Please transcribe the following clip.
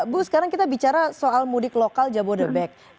bu sekarang kita bicara soal mudik lokal jabodebek